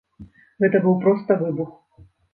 Гэта быў проста выбух!